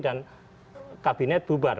dan kabinet bubar